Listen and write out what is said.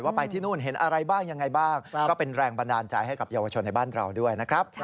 ไปที่นู่นเห็นอะไรบ้างยังไงบ้างก็เป็นแรงบันดาลใจให้กับเยาวชนในบ้านเราด้วยนะครับ